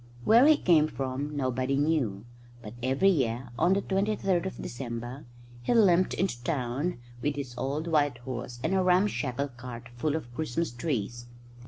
Where he came from nobody knew; but every year on the 23rd of December he limped into the town with his old white horse and a ramshackle cart full of Christmas trees.